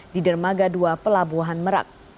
di dermaga dua pelabuhan merak